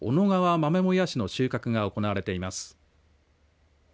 豆もやしの収穫が行われています。